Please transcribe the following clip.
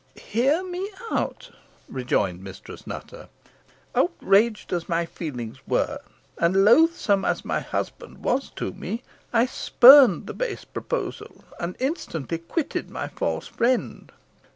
"Hear me out," rejoined Mistress Nutter. "Outraged as my feelings were, and loathsome as my husband was to me, I spurned the base proposal, and instantly quitted my false friend.